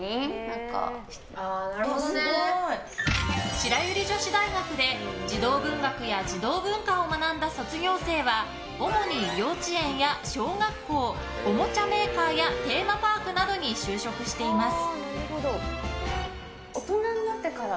白百合女子大学で児童文学や児童文化を学んだ卒業生は主に幼稚園や小学校おもちゃメーカーやテーマパークなどに就職しています。